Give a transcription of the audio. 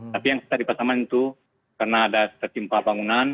tapi yang kita di pasaman itu karena ada tertimpa bangunan